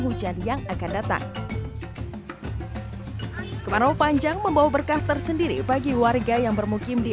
hujan yang akan datang kemarau panjang membawa berkah tersendiri bagi warga yang bermukim di